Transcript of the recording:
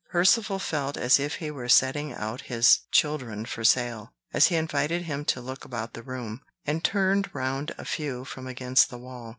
Percivale felt as if he were setting out his children for sale, as he invited him to look about the room, and turned round a few from against the wall.